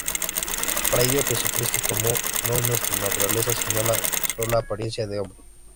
Para ello Jesucristo tomó, no nuestra naturaleza, sino la sola apariencia de hombre.